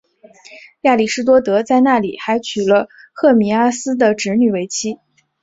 亚里士多德在那里还娶了赫米阿斯的侄女为妻。